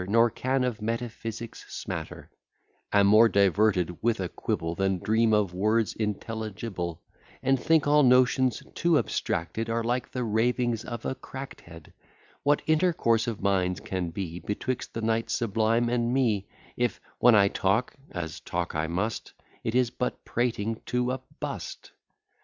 Nor can of metaphysics smatter; Am more diverted with a quibble Than dream of words intelligible; And think all notions too abstracted Are like the ravings of a crackt head; What intercourse of minds can be Betwixt the knight sublime and me, If when I talk, as talk I must, It is but prating to a bust?